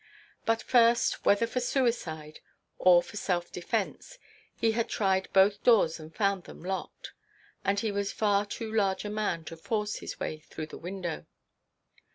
But first—whether for suicide, or for self–defence, he had tried both doors and found them locked; and he was far too large a man to force his way through the window.